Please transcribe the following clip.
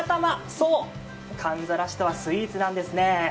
そう、かんざらしとはスイーツなんですね。